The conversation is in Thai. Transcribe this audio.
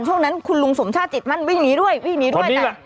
ช่วงนั้นคุณลุงสมชาติจิตมั่นวิ่งหนีด้วยวิ่งหนีด้วยแต่